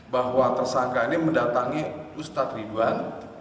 bahwa tersangka ini mendatangi ustadz ridwan